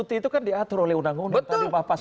ini kan diatur oleh undang undang